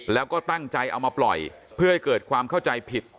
แล้วก็ตั้งใจเอามาปล่อยเพื่อให้เกิดความเข้าใจผิด